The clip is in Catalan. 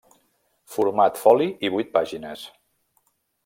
Format foli i vuit pàgines.